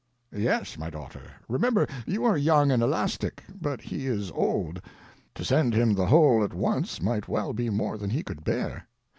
"Yes, my daughter. Remember, you are young and elastic, but he is old. To send him the whole at once might well be more than he could bear.